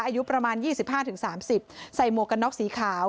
อายุประมาณยี่สิบห้าถึงสามสิบใส่หมวกกะน็อกสีขาว